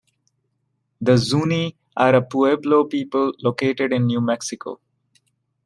The Zuni are a Pueblo people located in New Mexico.